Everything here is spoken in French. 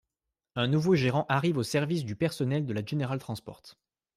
Un nouveau gérant arrive au service du personnel de la General Transport.